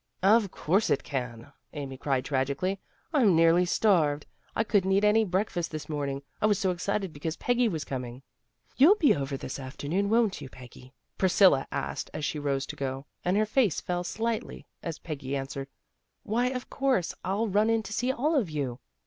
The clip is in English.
"" Of course it can," Amy cried tragically. " I'm nearly starved. I couldn't eat any breakfast this morning, I was so excited be cause Peggy was coming." " You'll be over this afternoon, won't you, Peggy? " Priscilla asked as she rose to go, and her face fell slightly as Peggy answered, " Why, of course. I'll run in to see all of you."